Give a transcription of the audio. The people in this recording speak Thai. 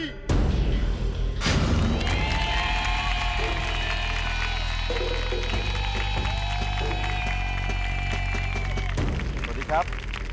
สวัสดีครับ